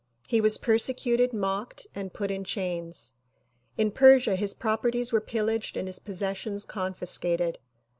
He was persecuted, mocked and put in chains. In Persia his properties were pillaged and his possessions confiscated.